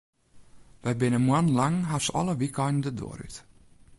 Wy binne moannen lang hast alle wykeinen de doar út.